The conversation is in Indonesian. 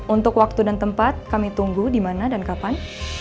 untuk waktu dan tempat kami tunggu dimana dan kapan